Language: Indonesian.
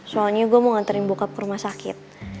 soalnya gue mau nganterin bokap ke rumah sakit